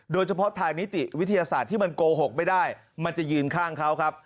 โดยเฉพาะทางนิติวิทยาศาสตร์ที่มันโกหกไม่ได้มันจะยืนข้างเขาครับ